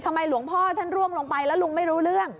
หลวงพ่อท่านร่วงลงไปแล้วลุงไม่รู้เรื่อง